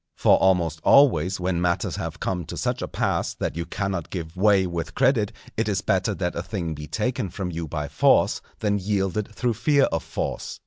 For almost always when matters have come to such a pass that you cannot give way with credit it is better that a thing be taken from you by force than yielded through fear of force.